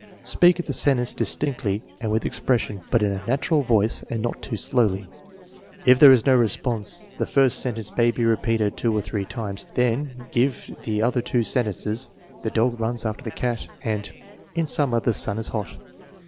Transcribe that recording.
Speak the sentence distinctly and with expression, but in a natural voice and not too slowly. If there is no response, the first sentence may be repeated two or three times. Then give the other two sentences: " The dog runs after the cat," and, " In summer the sun is hot."